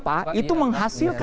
pak itu menghasilkan